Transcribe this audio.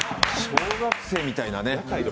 小学生みたいな。